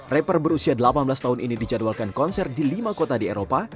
rapper berusia delapan belas tahun ini dijadwalkan konser di lima kota di eropa